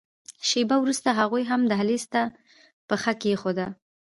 شېبه وروسته هغوی هم دهلېز ته پښه کېښوده.